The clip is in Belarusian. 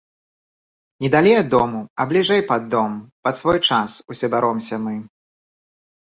Не далей ад дому, а бліжэй пад дом, пад свой час, усё бяромся мы.